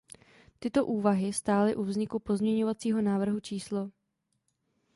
Tyto úvahy stály u vzniku pozměňovacího návrhu č.